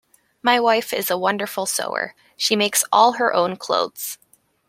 My wife is a wonderful sewer: she makes all her own clothes.